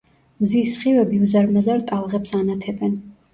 მზის სხივები უზარმაზარ ტალღებს ანათებენ.